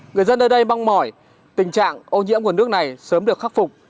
người dân ở đây mong mỏi tình trạng ô nhiễm nguồn nước này sớm được khắc phục